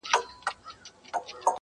پر استعمارګر هم اغېز ولري